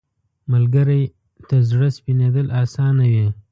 ملګری ته زړه سپینېدل اسانه وي